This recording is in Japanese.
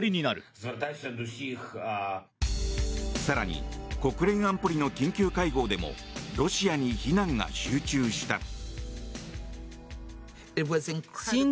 更に国連安保理の緊急会合でもロシアに非難が集中した。